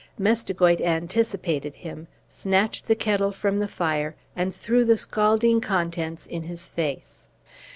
Mestigoit anticipated him, snatched the kettle from the fire, and threw the scalding contents in his face.